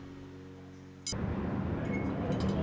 jadi setelah melalui proses masak sampai empat kali